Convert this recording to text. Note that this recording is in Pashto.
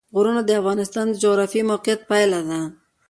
غرونه د افغانستان د جغرافیایي موقیعت پایله ده.